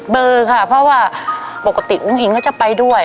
เบอร์ค่ะเพราะว่าปกติอุ้งอิงก็จะไปด้วย